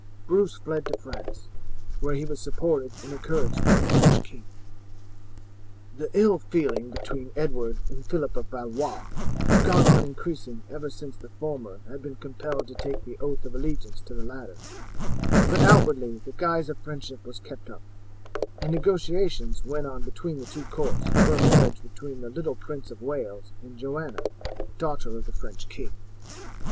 Bruce fled to France, where he was supported and encouraged by the French king." "The ill feeling between Edward and Phillip of Valois had gone on increasing ever since the former had been compelled to take the oath of allegiance to the latter, but outwardly the guise of friendship was kept up, and negotiations went on between the two courts for a marriage between the little Prince of Wales and Joanna, daughter of the French king."